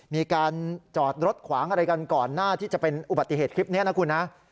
มีการจอดรถขวางอะไรกันก่อนหน้าที่จะเป็นอุบัติเหตุคลิปนี้นะคุณนะ